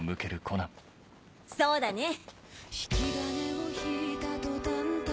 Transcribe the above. そうだね。